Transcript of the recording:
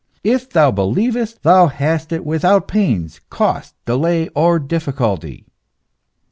If thou believest, thou hast it without pains, cost, delay, or difficulty."